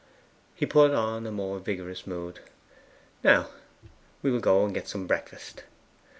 He put on a more vigorous mood. 'Now, we will go and get some breakfast.